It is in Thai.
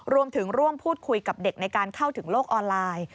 รวมถึงร่วมพูดคุยกับเด็กในการเข้าถึงโลกออนไลน์